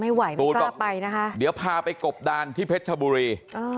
ไม่ไหวไม่กล้าไปนะคะเดี๋ยวพาไปกบดานที่เพชรชบุรี